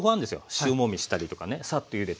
塩もみしたりとかねサッとゆでたりとか。